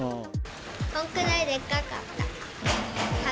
こんくらいでっかかった。